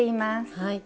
はい。